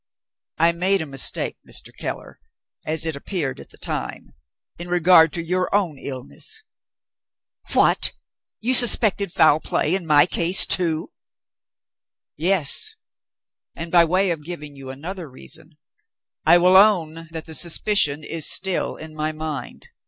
"I made a mistake, Mr. Keller (as it appeared at the time), in regard to your own illness." "What! you suspected foul play in my case too?" "Yes; and, by way of giving you another reason, I will own that the suspicion is still in my mind.